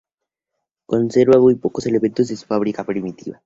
Conserva muy pocos elementos de su fábrica primitiva.